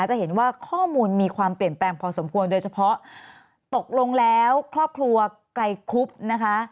จะเห็นว่าข้อมูลมีความเปลี่ยนแปลงพอสมควรโดยเฉพาะตกลงแล้วครอบครัวไกลคุบนะคะ